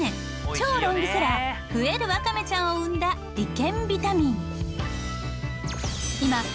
超ロングセラーふえるわかめちゃんを生んだ理研ビタミン。